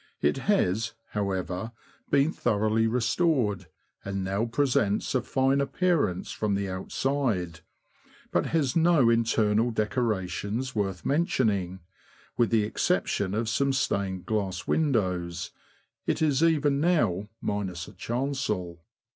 It has, however, been thoroughly restored, and now presents a fine appearance from the outside, but has no internal decorations worth mentioning, with the exception of some stained glass windows ; it is even now minus a chancel.